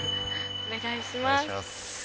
お願いします。